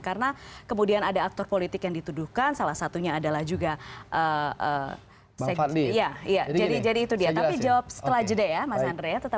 karena kemudian ada aktor politik yang dituduhkan salah satunya adalah juga